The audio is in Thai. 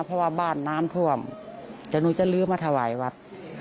เพราะว่าบ้านน้ำท่วมเดี๋ยวหนูจะลื้อมาถวายวัด